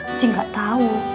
ncing gak tau